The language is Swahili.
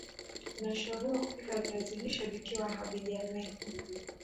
Unashauriwa kupika viazi lishe vikiwa havija menywa